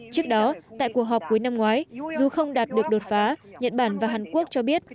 trước đó tại cuộc họp cuối năm ngoái dù không đạt được đột phá nhật bản và hàn quốc cho biết